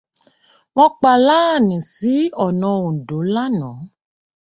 Wọ́n pa Láànì sí ọnà Òǹdó láàná.